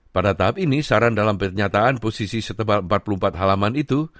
pada tahap ini saran dalam pernyataan posisi setebal empat puluh empat halaman itu